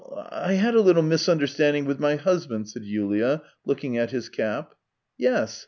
... I had a little misunderstanding with my husband," said Yulia, looking at his cap. " Yes.